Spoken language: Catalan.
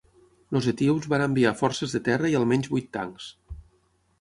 Els etíops van enviar forces de terra i almenys vuit tancs.